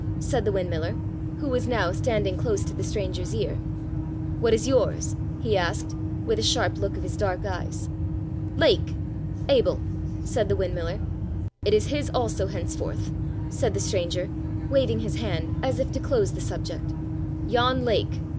said the windmiller, who was now standing close to the stranger's ear. "What is yours?" he asked, with a sharp look of his dark eyes. "Lake—Abel," said the windmiller. "It is his also, henceforth," said the stranger, waving his hand, as if to close the subject,—"Jan Lake.